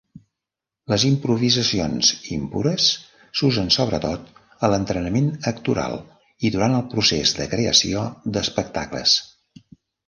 Les improvisacions impures s'usen sobretot a l'entrenament actoral i durant el procés de creació d'espectacles.